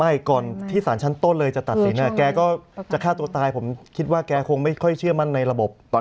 ก่อนที่สารชั้นต้นเลยจะตัดสินแกก็จะฆ่าตัวตายผมคิดว่าแกคงไม่ค่อยเชื่อมั่นในระบบตอนนี้